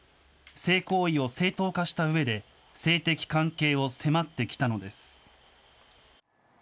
性行為を正当化したうえで、性的関係を迫ってきたのです。